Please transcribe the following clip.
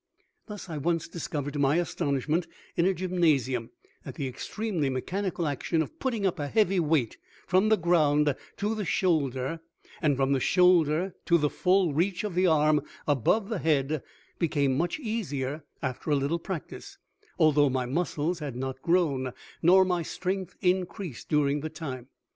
Thus I once discovered to my astonishment in a gymnasium that the extremely mechanical action of putting up a heavy weight from the ground to the shoulder and from the shoulder to the full reach of the arm above the head, became much easier after a little practice, although my muscles had not grown, nor my strength increased during the time.